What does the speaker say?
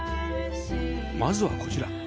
まずはこちら